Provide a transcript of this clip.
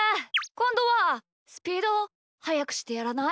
こんどはスピードはやくしてやらない？